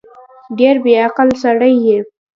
ډېر بیعقل سړی یې